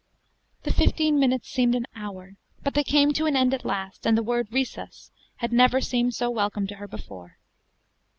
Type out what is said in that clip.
The fifteen minutes seemed an hour; but they came to an end at last, and the word "Recess!" had never seemed so welcome to her before.